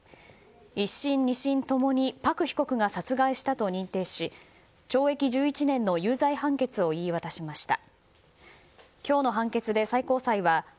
１審２審ともにパク被告が殺害したと認定し懲役１１年の有罪判決を言い渡しました。